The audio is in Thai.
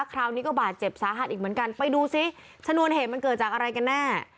คราวนี้ก็บาดเจ็บสาหัสอีกเหมือนกันไปดูซิชนวนเหตุมันเกิดจากอะไรกันแน่